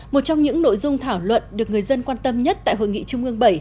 một trong những nội dung thảo luận được người dân quan tâm nhất tại hội nghị trung ương bảy